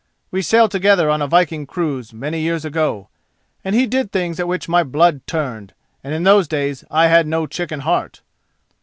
We sailed together on a viking cruise many years ago, and he did things at which my blood turned, and in those days I had no chicken heart."